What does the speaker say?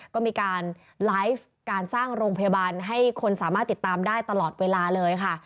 ก็มีการไลฟ์การสร้างโรงพยาบาลให้คนสามารถติดตามได้ตลอดเวลาเลยค่ะ